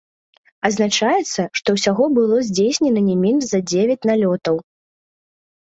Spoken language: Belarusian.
Адзначаецца, што ўсяго было здзейснена не менш за дзевяць налётаў.